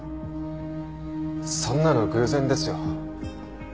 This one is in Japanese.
そんなの偶然ですよ。